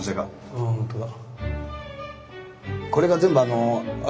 ああ本当だ。